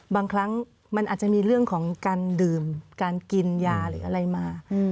บางครั้งมันอาจจะมีเรื่องของการดื่มการกินยาหรืออะไรมา